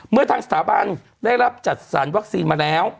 เมื่อทางสถาบันได้รับจัดสรรวัคซีนมาแล้ว